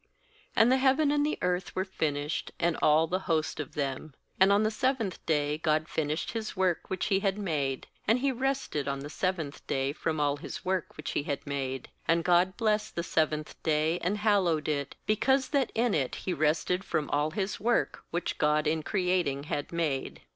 O And the heaven and the earth were finished, and all the host of them. 2And on the seventh day God finished His work which He had made; and He rested on the seventh day from all His work which He had made. 3And God blessed the seventh day, and hallowed it; because that in it He rested from all His work which God in creating had made.